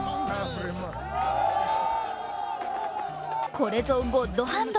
これぞゴッドハンド！